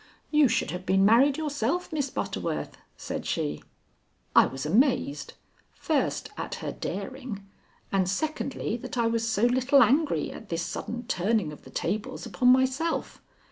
"You should have been married yourself, Miss Butterworth," said she. I was amazed, first at her daring, and secondly that I was so little angry at this sudden turning of the tables upon myself.